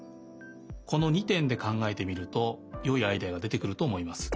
この２てんでかんがえてみるとよいアイデアがでてくるとおもいます。